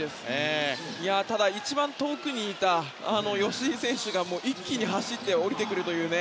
ただ、一番遠くにいた吉井選手が一気に走って下りてくるというね